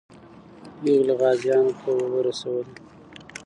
پېغلې غازیانو ته اوبه رسولې.